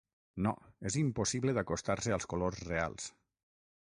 No, és impossible d’acostar-se als colors reals.